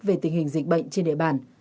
về tình hình dịch bệnh trên địa bàn